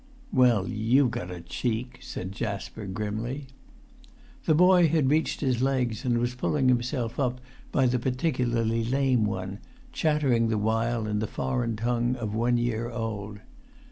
"Well, you've got a cheek!" said Jasper, grimly. The boy had reached his legs, and was pulling himself up by the particularly lame one, chattering the while in the foreign tongue of one year old.